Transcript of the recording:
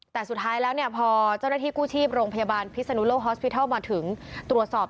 แต่สุดท้ายแล้วเนี่ยพอเจ้าหน้าที่กู้ชีพโรงพยาบาลพิศนุโลกฮอสพิทัลมาถึงตรวจสอบ